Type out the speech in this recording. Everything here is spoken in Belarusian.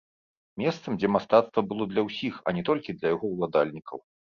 Месцам, дзе мастацтва было для ўсіх, а не толькі для яго ўладальнікаў.